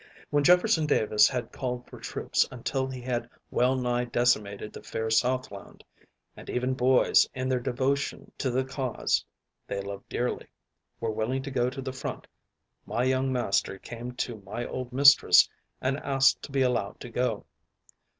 When Jefferson Davis had called for troops until he had well nigh decimated the fair Southland, and even boys, in their devotion to the cause they loved dearly, were willing to go to the front, my young master came to my old mistress and asked to be allowed to go.